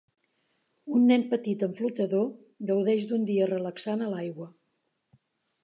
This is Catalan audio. Un nen petit amb flotador gaudeix d'un dia relaxant a l'aigua.